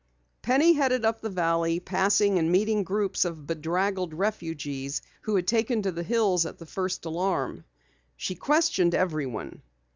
Penny headed up the valley, passing and meeting groups of bedraggled refugees who had taken to the hills at the first alarm. She questioned everyone.